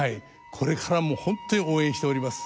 これからも本当に応援しております。